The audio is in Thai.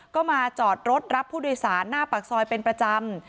ก็มาจอดรถรับผู้โดยสารหน้าปากซอยเป็นประจำ